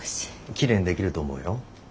きれいにできると思うよ。